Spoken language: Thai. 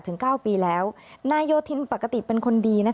ดูในส่งลงที่ใเพลิงนี้